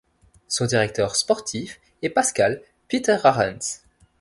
Son directeur sportif est Pascal Pieterarens.